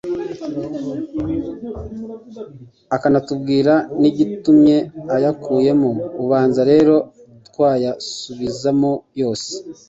akanatubwira n'igitumye ayakuyemo. Ubanza rero twayasubizamo yose,